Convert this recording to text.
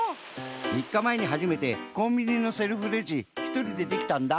みっかまえにはじめてコンビニのセルフレジひとりでできたんだ！